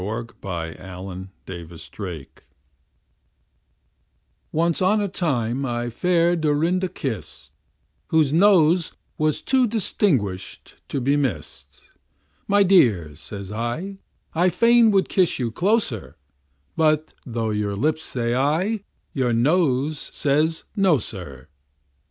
Y Z The Long Nosed Fair ONCE on a time I fair Dorinda kiss'd, Whose nose was too distinguish'd to be miss'd; My dear, says I, I fain would kiss you closer, But tho' your lips say aye your nose says, no, Sir.